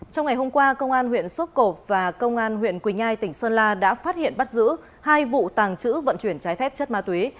trong ngày hôm qua công an huyện sốp cộp và công an huyện quỳnh nhai tỉnh sơn la đã phát hiện bắt giữ hai vụ tàng trữ vận chuyển trái phép chất ma túy